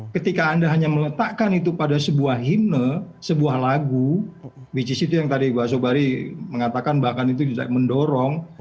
ketika anda hanya meletakkan itu pada sebuah himne sebuah lagu which is itu yang tadi mbak sobari mengatakan bahkan itu juga mendorong